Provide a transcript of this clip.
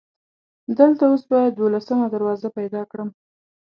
دلته اوس باید دولسمه دروازه پیدا کړم.